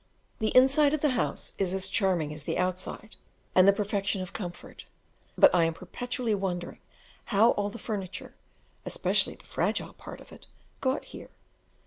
The inside of the house is as charming as the outside, and the perfection of comfort; but I am perpetually wondering how all the furniture especially the fragile part of it got here.